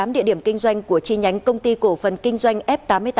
tám địa điểm kinh doanh của chi nhánh công ty cổ phần kinh doanh f tám mươi tám